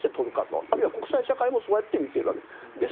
あるいは国際社会もそうやって見ているわけです。